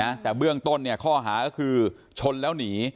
นะแต่เบื้องต้นเนี่ยข้อหาก็คือชนแล้วหนี